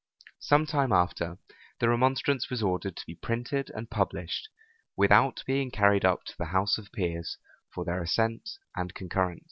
[] Some time after, the remonstrance was ordered to be printed and published, without being carried up to the house of peers for their assent and concurrence.